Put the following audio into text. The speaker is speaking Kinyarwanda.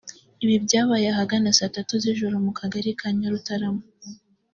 Ibi byabaye ahagana saa tatu z’ijoro mu Kagari ka Nyarutarama